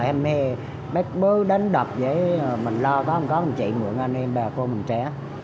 em mới bớt bớt đánh đập vậy mình lo có không có mình chị mượn anh em bà cô mình trẻ